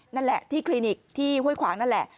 นั่นแหละที่คลินิกที่ห้วยขวางนั่นแหละ